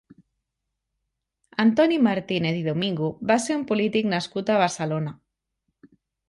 Antoni Martínez i Domingo va ser un polític nascut a Barcelona.